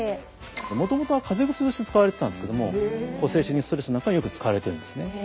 もともとは風邪薬として使われてたんですけども精神的なストレスなんかによく使われてるんですね。